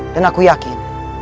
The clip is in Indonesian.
dan aku yakin